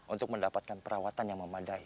untuk mendapatkan perawatan yang memadai